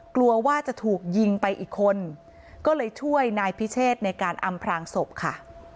กลัวว่าจะถูกยิงไปอีกคนก็เลยช่วยนายพิเชษในการอำพลางศพค่ะ